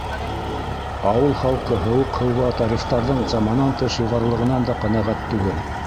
Ауыл халҡы һыуыҡ һыуға тарифтарҙың саманан тыш юғарылығынан да ҡәнәғәт түгел.